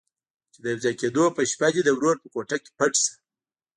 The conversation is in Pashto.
چې د يوځای کېدو په شپه دې د ورور په کوټه کې پټ شه.